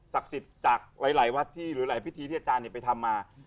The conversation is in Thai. สิทธิ์จากหลายวัดที่หรือหลายพิธีที่อาจารย์ไปทำมา